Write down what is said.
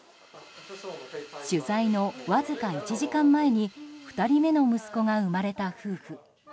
取材のわずか１時間前に２人目の息子が生まれた夫婦。